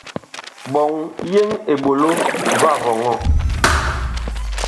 Ɓɔŋ yeŋ eɓolo va vɔŋɔ.